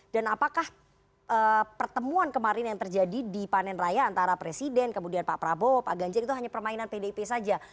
dan apakah pertemuan kemarin yang terjadi di panen raya antara presiden kemudian pak prabowo pak ganjar itu hanya permainan pdip saja